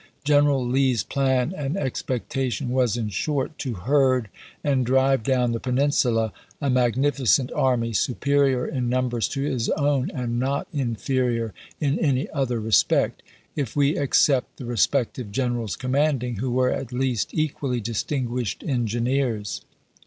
pp.^W m General Lee's plan and expectation was, in short, 424 ABRAHAM LINCOLN ch. XXIII. to herd and drive down the Peninsula a magnifi cent army, superior in numbers to his own, and not inferior in any other respect — if we except the respective generals commanding, who were at least equally distinguished engineers.